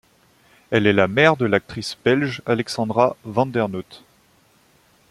Elle est la mère de l'actrice belge Alexandra Vandernoot.